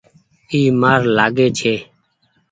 اي مآر لآگي ڇي ۔